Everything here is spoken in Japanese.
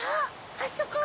あそこ！